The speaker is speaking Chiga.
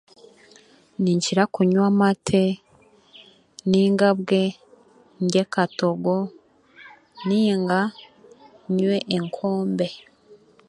Ninkira kunywa amate, nainga bwe ndye katogo, nainga nywe enkombe.